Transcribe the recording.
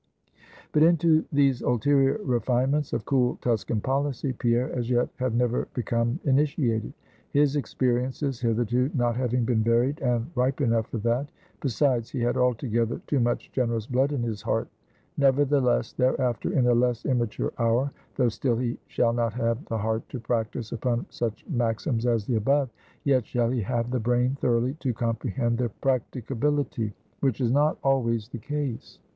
But into these ulterior refinements of cool Tuscan policy, Pierre as yet had never become initiated; his experiences hitherto not having been varied and ripe enough for that; besides, he had altogether too much generous blood in his heart. Nevertheless, thereafter, in a less immature hour, though still he shall not have the heart to practice upon such maxims as the above, yet shall he have the brain thoroughly to comprehend their practicability; which is not always the case.